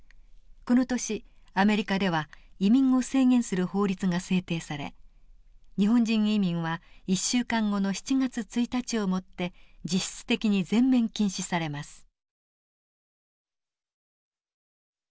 この年アメリカでは移民を制限する法律が制定され日本人移民は１週間後の７月１日をもって実質的に全面禁止されます。